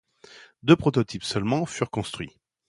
Deux prototypes seulement furent construits.